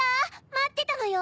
まってたのよ。